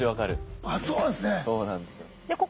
あそうなんですね。